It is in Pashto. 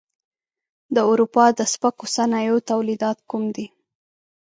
د اروپا د سپکو صنایعو تولیدات کوم دي؟